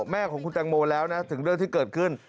แม่ของคุณแตงโมแล้วนะถึงเรื่องที่เกิดขึ้น